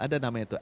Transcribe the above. ada namanya itu